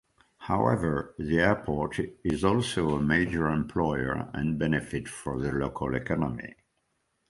However, the airport is also a major employer and benefit for the local economy.